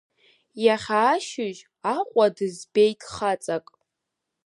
Иахьа ашьыжь Аҟәа дызбеит хаҵак.